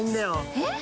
えっ？